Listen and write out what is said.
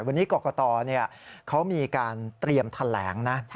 วันนี้กรกตเขามีการเตรียมแถลงนะ